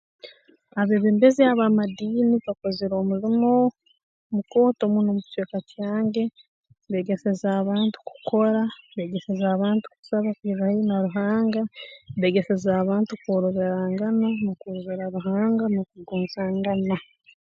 Abeebembezi ab'amadiini bakozere omulimo mukoto muno mu kicweka kyange beegeseze abantu kukora beegeseze abantu kusaba kwirra haihi na Ruhanga beegeseza abantu kworoberangana n'okworobera Ruhanga n'okugonzangana